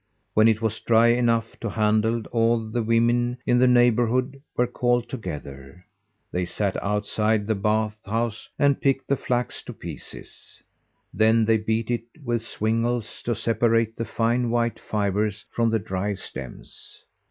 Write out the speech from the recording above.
When it was dry enough to handle all the women in the neighbourhood were called together. They sat outside the bath house and picked the flax to pieces. Then they beat it with swingles, to separate the fine white fibres from the dry stems.